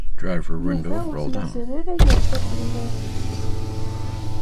Yuba ur t-mazal ara yerfa fell-ak.